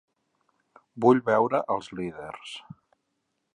Vull veure els líders.